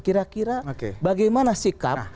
kira kira bagaimana sikap